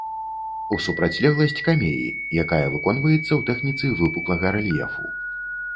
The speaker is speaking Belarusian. У супрацьлегласць камеі, якая выконваецца ў тэхніцы выпуклага рэльефу.